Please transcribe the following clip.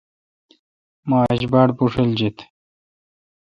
مہ آج باڑ بشیل جیت۔